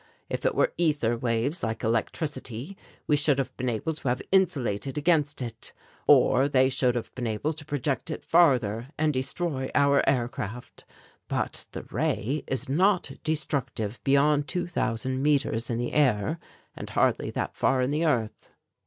If it were ether waves like electricity, we should have been able to have insulated against it, or they should have been able to project it farther and destroy our aircraft, but The Ray is not destructive beyond two thousand metres in the air and hardly that far in the earth."